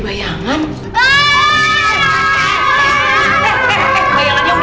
bayangannya udah hilang